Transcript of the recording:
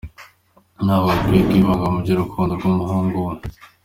Ntabwo akwiye kwivanga mu by’urukundo rw’umuhungu we.